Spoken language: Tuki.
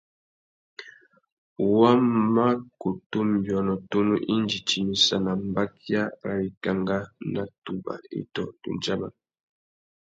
Wa má kutu nʼbiônô tunu indi timissana mbakia râ wikangá nà tubà itô tudjaman.